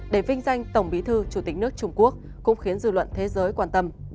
để vinh danh tổng bí thư chủ tịch nước trung quốc cũng khiến dư luận thế giới quan tâm